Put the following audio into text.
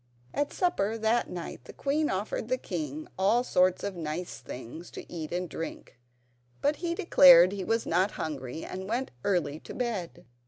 At supper that night the queen offered the king all sorts of nice things to eat and drink, but he declared he was not hungry, and went early to bed.